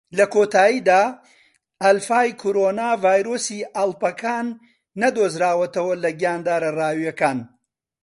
لە کۆتایدا، ئەلفای کۆرۆنا ڤایرۆسی ئەڵپاکان نەدۆزراوەتەوە لە گیاندارە ڕاویەکان.